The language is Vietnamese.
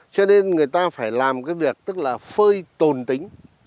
cho nên người ta phải làm cái việc tức là phơi tồn tính